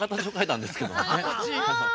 そうなんですね。